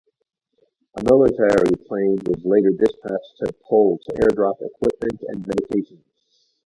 A military plane was later dispatched to the pole to airdrop equipment and medications.